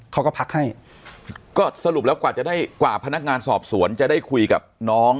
เขาก็พักให้ก็สรุปแล้วกว่าจะได้กว่าพนักงานสอบสวนจะได้คุยกับน้อง